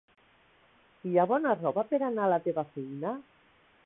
Hi ha bona roba per anar a la teva feina?